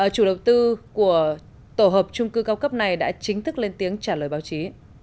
chủ đầu tư của tổ hợp trung cư cao cấp này đã chính thức lên tiếng trả lời báo chí